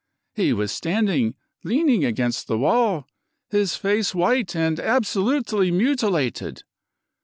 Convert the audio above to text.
He was standing leaning * t' against the wall, his face white and absolutely mutilated.